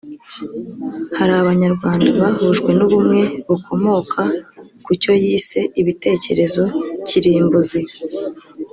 hari abanyarwanda bahujwe n’ubumwe bukomoka ku cyo yise ‘ibitekerezo kirimbuzi’